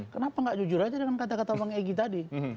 kenapa nggak jujur aja dengan kata kata bang egy tadi